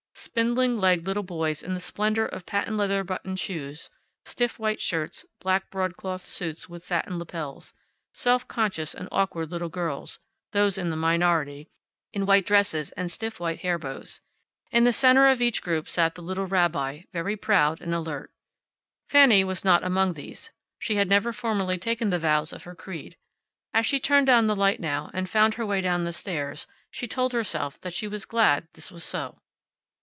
Spindling legged little boys in the splendor of patent leather buttoned shoes, stiff white shirts, black broadcloth suits with satin lapels; self conscious and awkward little girls these in the minority in white dresses and stiff white hair bows. In the center of each group sat the little rabbi, very proud and alert. Fanny was not among these. She had never formally taken the vows of her creed. As she turned down the light now, and found her way down the stairs, she told herself that she was glad this was so.